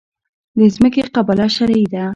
د ځمکې قباله شرعي ده؟